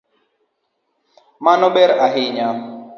Mano ber ahinya.